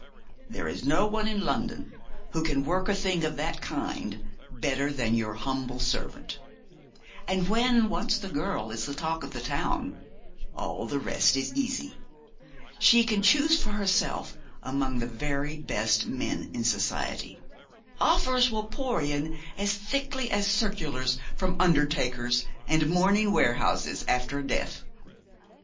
There is no one in London who can work a thing of that kind better than your humble servant. And when once the girl is the talk of the town, all the rest is easy. She can choose for herself among the very best men in society. Offers will pour in as thickly as circulars from undertakers and mourning warehouses after a death.